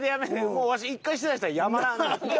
もうわし一回しだしたらやまらんの。